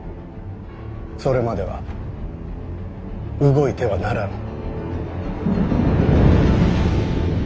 それまでは動いてはならぬ。